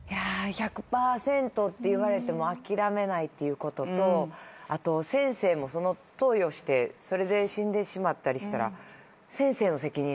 １００％といわれても諦めないっていうことと先生も投与してそれで死んでしまったりしたら先生の責任になる。